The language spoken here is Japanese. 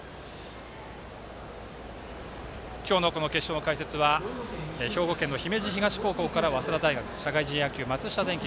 今日の決勝の解説は兵庫県の東姫路高校から早稲田大学社会人野球、松下電器